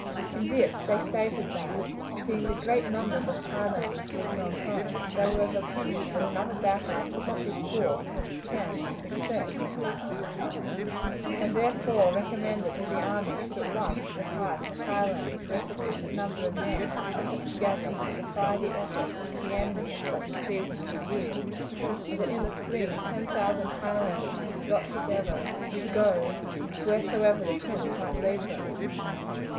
In this they stated that, seeing the great numbers of Highlanders who had gone home, they were of opinion that another battle could not be fought with a chance of success, and therefore recommended that the army should at once retire to the Highlands, where a sufficient number of men could be kept together to defy the efforts of the enemy at such a season of the year, and that in the spring ten thousand Highlanders could be got together to go wheresoever the prince might lead them.